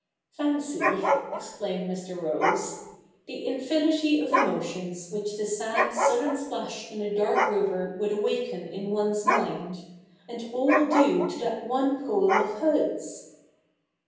Fancy,' exclaimed Mr. Rose, ' the infinity of emotions which the sad sudden splash in the dark river would awaken in one's mind — and all due to that one poem of Hood's